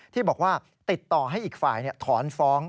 ที่บอกว่าติดต่อให้อีกฝ่ายถอนฟ้อง